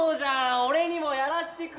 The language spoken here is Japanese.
俺にもやらせてくれよ！